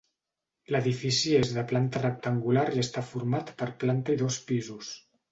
L'edifici és de planta rectangular i està format per planta i dos pisos.